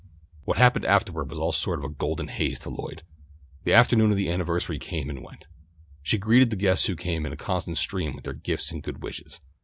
What happened afterward was all a sort of golden haze to Lloyd. The afternoon of the anniversary came and went. She greeted the guests who came in a constant stream with their gifts and good wishes.